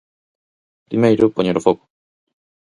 Primeiro, poñer o foco.